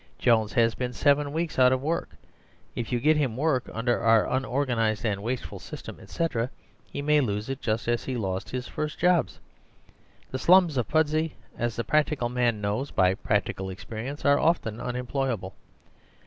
Jones has been seven weeks out of work. If you get him work "underourunorganised and wastefulsystem, etc.," he may lose it just as he lost his first jobs. The slumsofPudsey.as the Practical Man knowsby Practi cal experience, are often unemployable.